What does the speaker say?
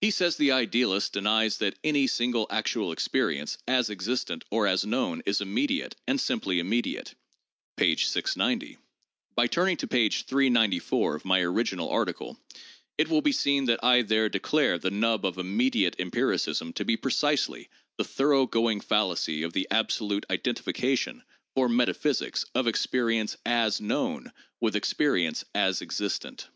He says the idealist denies that 'any single actual experience, as existent or as known, is immediate, and simply immediate' (p. 690). By turning to p. 394 of my original article, it will be seen that I there declare the nub of immediate em piricism to be precisely the thoroughgoing fallacy of the absolute iden tification, for metaphysics, of experience 'as known' with experience 'as existent.'